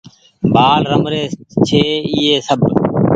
بآل رمري ڇي ايئي سب ۔